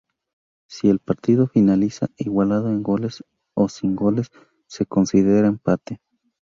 Si el partido finaliza igualado en goles o sin goles, se considera empate.